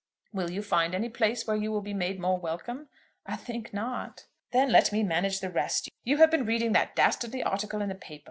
"Will you find any place where you will be made more welcome?" "I think not." "Then let me manage the rest. You have been reading that dastardly article in the paper.